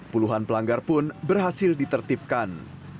puluhan pelanggar pun berhasil ditertipkan